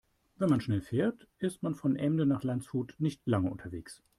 Wenn man schnell fährt, ist man von Emden nach Landshut nicht lange unterwegs